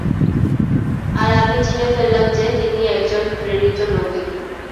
আর আমি চিনে ফেললাম যে, তিনি একজন প্রেরিত নবী।